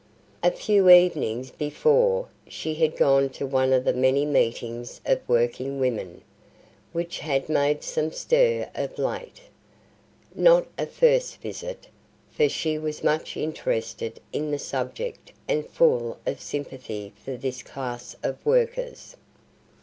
A few evenings before she had gone to one of the many meetings of working women, which had made some stir of late. Not a first visit, for she was much interested in the subject and full of sympathy for this class of workers.